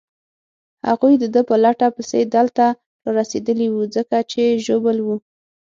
هغوی د ده په لټه پسې دلته رارسېدلي وو، ځکه چې ژوبل وو.